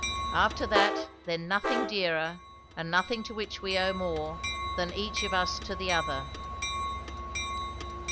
After that, then nothing dearer, and nothing to which we owe more, than each of us to the other."